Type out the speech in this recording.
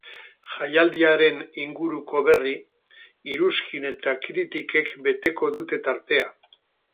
Jaialdiaren inguruko berri, iruzkin eta kritikek beteko dute tartea.